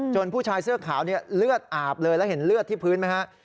ผู้ชายเสื้อขาวเนี่ยเลือดอาบเลยแล้วเห็นเลือดที่พื้นไหมฮะ